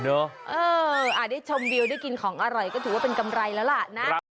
เออได้ชมวิวได้กินของอร่อยก็ถือว่าเป็นกำไรแล้วล่ะนะ